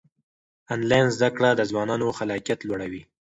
آنلاین زده کړه د ځوانانو خلاقیت لوړوي.